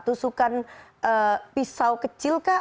tusukan pisau kecil kah